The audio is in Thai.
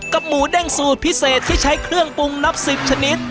หมูเด้งสูตรพิเศษที่ใช้เครื่องปรุงนับ๑๐ชนิด